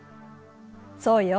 そうよ。